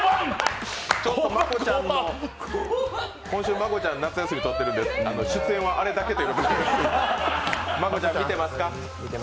今週、真子ちゃん夏休み取ってるんで出演はあれだけです。